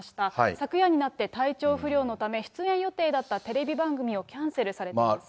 昨夜になって、体調不良のため、出演予定だったテレビ番組をキャンセルされています。